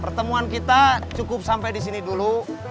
pertemuan kita cukup sampai disini dulu